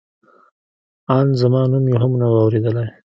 ان زما نوم یې هم نه و اورېدلی.